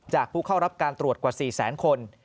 จากผู้เข้ารับการตรวจกว่า๔๐๐๐๐๐คน